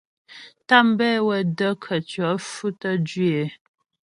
Tàmbɛ wə də́ khətʉɔ̌ fʉtəm jwǐ é.